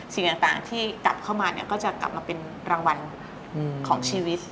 สิ่งต่างที่กลับเข้ามาเนี่ยก็จะกลับมาเป็นรางวัลของชีวิต